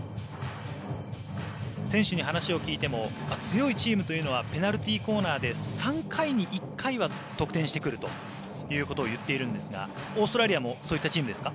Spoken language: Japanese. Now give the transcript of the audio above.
選手に話を聞いても強いチームというのはペナルティーコーナーで３回に１回は得点してくるということを言っているんですがオーストラリアもそういったチームですか？